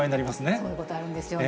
そういうことあるんですよね。